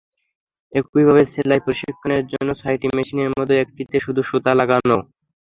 একইভাবে সেলাই প্রশিক্ষণের জন্য ছয়টি মেশিনের মধ্যে একটিতে শুধু সুতা লাগানো।